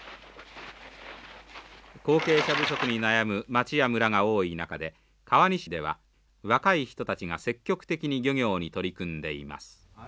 後継者不足に悩む町や村が多い中で川西では若い人たちが積極的に漁業に取り組んでいます。